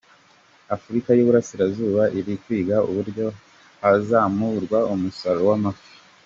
Afurika y’u Burasirazuba iri kwiga uburyo hazamurwa umusaruro w’amafi